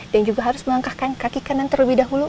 dan juga harus melangkahkan kaki kanan terlebih dahulu